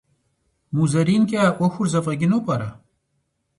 МузэринкӀэ а Ӏуэхур зэфӀэкӀыну пӀэрэ?